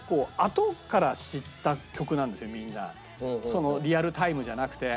そのリアルタイムじゃなくて。